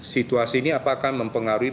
situasi ini apakah akan mempengaruhi